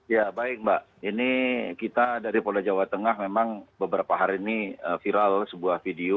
ya baik mbak ini kita dari polda jawa tengah memang beberapa hari ini viral sebuah video